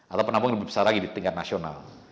atau penampung lebih besar lagi di tingkat nasional